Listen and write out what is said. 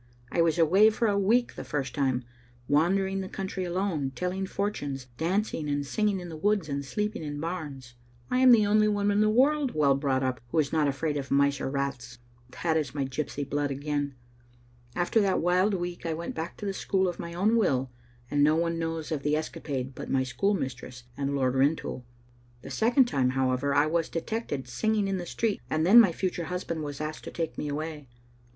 I was awaj^ for a week the first time, wander ing the country alone, telling fortunes, dancing and singing in woods, and sleeping in bams. I am the only woman in the world well brought up who is not afraid of mice or rats. That is my gypsy blood again. After that wild week I went back to the school of my own will, and no one knows of the escapade but my school mistress and Lord Rintoul. The second time, however, I was detected singing in the street, and then my fu ture husband was asked to take me away.